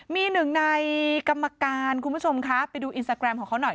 มีหนึ่งในกรรมการคุณผู้ชมคะไปดูอินสตาแกรมของเขาหน่อย